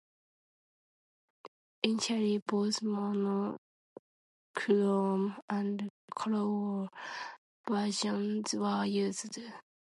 Initially, both monochrome and colour versions were used.